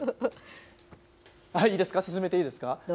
いいですか、進めていいですか？